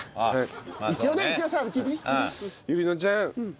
はい。